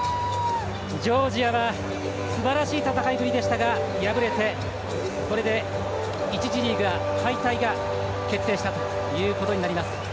ジョージアはすばらしい戦いぶりでしたが敗れて、これで１次リーグ敗退が決定したということになります。